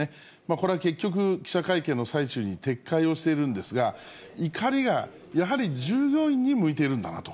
これは結局、記者会見の最中に撤回をしているんですが、怒りがやはり従業員に向いているんだなと。